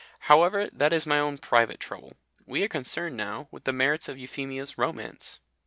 However, that is my own private trouble. We are concerned now with the merits of Euphemia's romance.